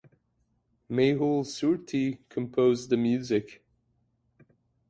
Mehul Surti composed the music.